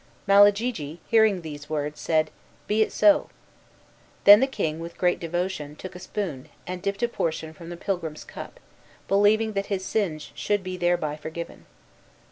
Malagigi, hearing these words, said, "Be it so." Then the king, with great devotion, took a spoon, and dipped a portion from the pilgrim's cup, believing that his sins should be thereby forgiven.